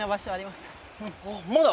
まだ